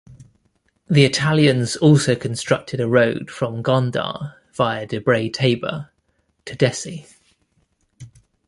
The Italians also constructed a road from Gondar via Debre Tabor to Dessie.